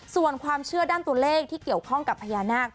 ส่วนความเชื่อด้านตัวเลขที่เกี่ยวข้องกับพญานาค